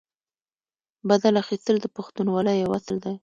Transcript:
بدل اخیستل د پښتونولۍ یو اصل دی.